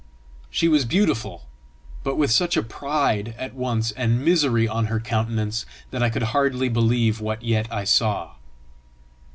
She was beautiful, but with such a pride at once and misery on her countenance that I could hardly believe what yet I saw.